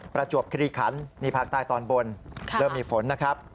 ประจวบคิริขันนี่ภาคใต้ตอนบนเริ่มมีฝนนะครับ